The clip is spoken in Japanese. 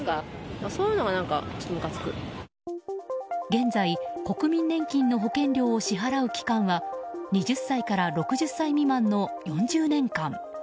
現在、国民年金の保険料を支払う期間は２０歳から６０歳未満の４０年間。